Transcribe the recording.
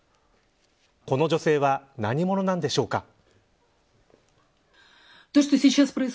この女性は何者なんでしょうか。